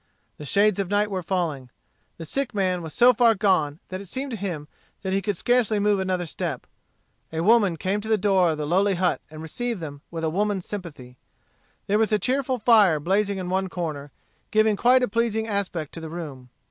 The shades of night were falling. The sick man was so far gone that it seemed to him that he could scarcely move another step. A woman came to the door of the lowly hut and received them with a woman's sympathy. There was a cheerful fire blazing in one corner, giving quite a pleasing aspect to the room.